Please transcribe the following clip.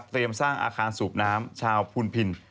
สร้างอาคารสูบน้ำชาวพุนพิน